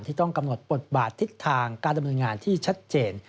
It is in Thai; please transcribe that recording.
ต้องกำหนดบทบาททิศทางการดำเนินงานที่ชัดเจน